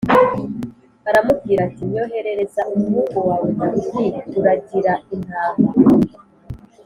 aramubwira ati “Nyoherereza umuhungu wawe Dawidi uragira intama.”